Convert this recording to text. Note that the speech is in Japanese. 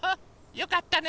よかったね。